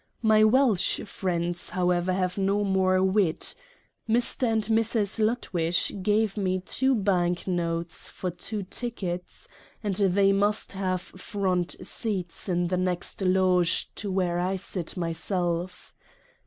My Welch Friends however have more Wit. Mr. and Mrs. Lutwyche gave me Two Bank notes for Two Tickets, and they must have Front Seats in the next Loge to where I sit myself.